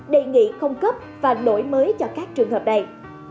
đề nghị không cấp và đổi mới cho các trường hợp này